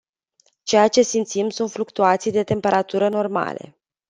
Ceea ce simțim sunt fluctuații de temperatură normale.